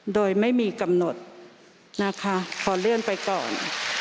โดยไม่มีกำหนดนะคะพอเลื่อนไปก่อน